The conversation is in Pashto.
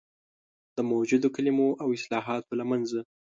د موجودو کلمو او اصطلاحاتو له منځه.